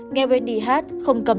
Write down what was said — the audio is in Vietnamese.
nghe wendy hát không cầm